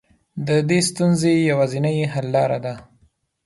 د دې ستونزې يوازنۍ حل لاره ده.